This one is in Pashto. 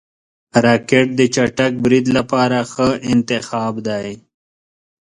راکټ د چټک برید لپاره ښه انتخاب دی